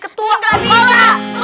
kapten kayak k knockingan